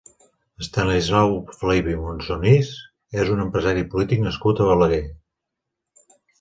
Estanislau Felip i Monsonís és un empresari i polític nascut a Balaguer.